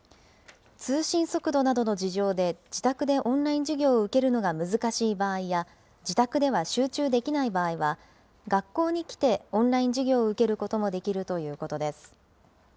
通信速度などの事情で、自宅でオンライン授業を受けるのが難しい場合や、自宅では集中できない場合は、学校に来て、オンライン授業を受けることもできるということです。